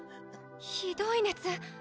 ひどい熱。